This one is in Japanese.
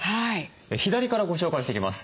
左からご紹介していきます。